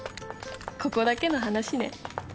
ここだけの話ね。